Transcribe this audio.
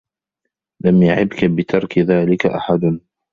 لَمْ يَعِبْك بِتَرْكِ ذَلِكَ أَحَدٌ